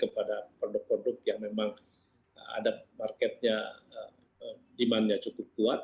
kepada produk produk yang memang ada marketnya demandnya cukup kuat